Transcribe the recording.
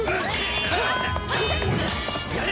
やれ！